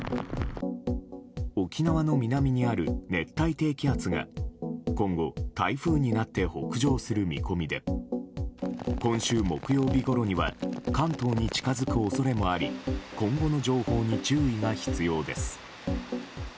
沖縄の南にある熱帯低気圧が今後、台風になって北上する見込みで今週木曜日ごろには関東に近づく恐れもあり今後の情報に注意が必要です。